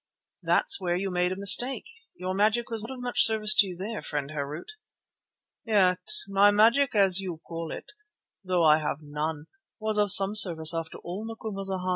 "That's where you made a mistake. Your magic was not of much service to you there, friend Harût." "Yet my magic, as you call it, though I have none, was of some service after all, Macumazana.